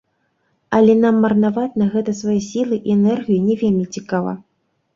Але нам марнаваць на гэта свае сілы і энергію не вельмі цікава.